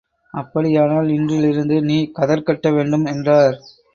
அப்படியானால் இன்றிலிருந்து நீ கதர் கட்ட வேண்டும் என்றார்.